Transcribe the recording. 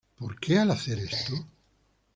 Porque el hacer esto?